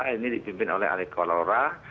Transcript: ini dipimpin oleh alikalora